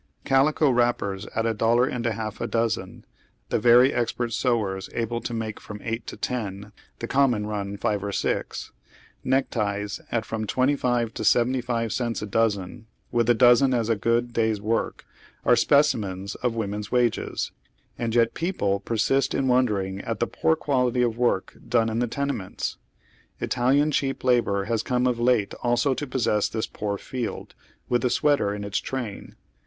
Calico wrappers at a dollar and a half a dozen — the very expert sewere able to make from eight to ten, the common run five or six — neckties at from 25 to 75 cents a dozen, with a dozen as a good day's work, are specimens of women's wages. And yet people persist in wondering at the poor qnality of work done in the tenements! Ital ian cheap labor has come of late also to possess this poor field, with the sweater in its train.